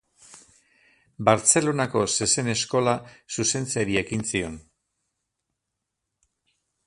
Bartzelonako Zezen-Eskola zuzentzeari ekin zion.